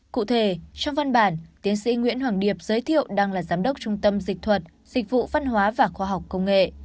cụ thể trong văn bản tiến sĩ nguyễn hoàng điệp giới thiệu đang là giám đốc trung tâm dịch thuật dịch vụ văn hóa và khoa học công nghệ